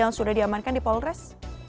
yang sudah diamankan di polres